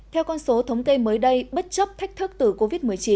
theo con số thống kê mới đây bất chấp thách thức từ covid một mươi chín